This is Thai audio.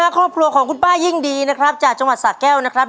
ครอบครัวของคุณป้ายิ่งดีนะครับจากจังหวัดสะแก้วนะครับ